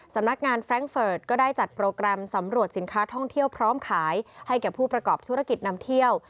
สำนักงานแร้งเฟิร์ตก็ได้จัดโปรแกรมสำรวจสินค้าท่องเที่ยวพร้อมขายให้แก่ผู้ประกอบธุรกิจนำเที่ยว